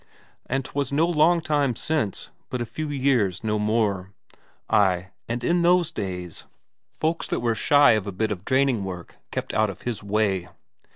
And 'twas no long time since, but a few years, no more. Ay, and in those days, folk that were shy of a bit of draining work kept out of his way.